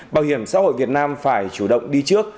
bảo hiểm xã hội việt nam phải chủ động đi trước